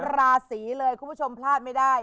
ราศีเลยคุณผู้ชมพลาดไม่ได้